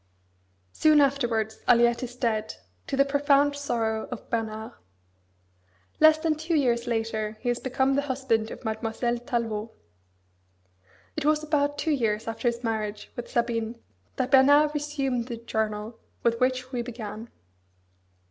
Soon afterwards Aliette is dead, to the profound sorrow of Bernard. Less than two years later he has become the husband of Mademoiselle Tallevaut. It was about two years after his marriage with Sabine that Bernard resumed the journal with which we began.